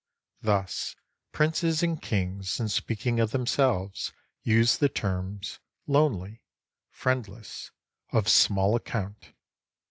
Thus, princes and kings in speaking of themselves use the terms "lonely," "friendless," "of small account."